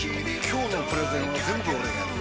今日のプレゼンは全部俺がやる！